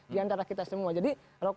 diantara kita semua jadi